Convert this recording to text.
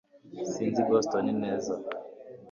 sinzi boston neza